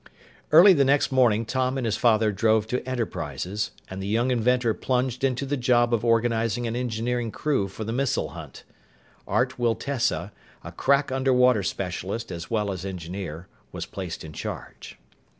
Early the next morning Tom and his father drove to Enterprises, and the young inventor plunged into the job of organizing an engineering crew for the missile hunt. Art Wiltessa, a crack underwater specialist as well as engineer, was placed in charge.